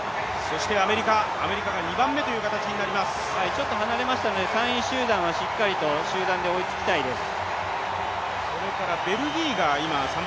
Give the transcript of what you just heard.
ちょっと離れましたので３位集団はしっかりと集団で追いつきたいです。